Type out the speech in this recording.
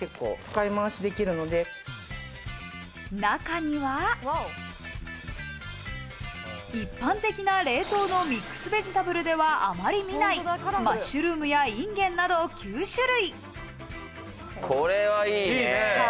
中には、一般的な冷凍のミックスベジタブルではあまり見ない、マッシュルームやインゲンなど９種類。